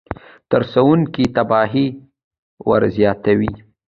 د ترسروونکي تباهي ورزیاتوي.